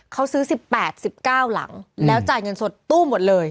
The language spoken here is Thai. เขาซื้อ๑๘๑๙หลังแล้วจ่ายเงินสดตู้หมดเลย